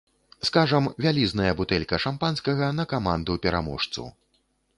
Скажам, вялізная бутэлька шампанскага на каманду-пераможцу.